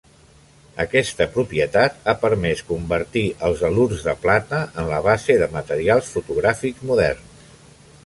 Aquesta propietat ha permès convertir els halurs de plata en la base de materials fotogràfics moderns.